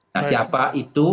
nah siapa itu